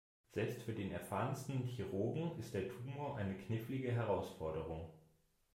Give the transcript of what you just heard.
Selbst für den erfahrensten Chirurgen ist der Tumor eine knifflige Herausforderung.